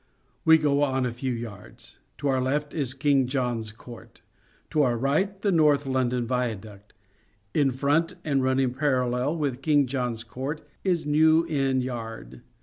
We go on a few yards ; to our left is King John's Court ; to our right the North London viaduct ; in front and running parallel with King John's Court is New Inn Yard.